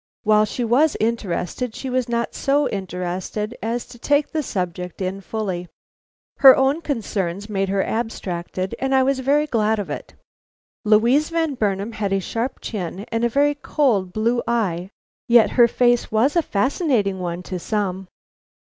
While she was interested she was not so interested as to take the subject in fully. Her own concerns made her abstracted, and I was very glad of it. "Louise Van Burnam had a sharp chin and a very cold blue eye. Yet her face was a fascinating one to some."